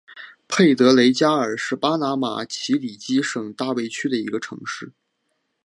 佩德雷加尔是巴拿马奇里基省大卫区的一个城市。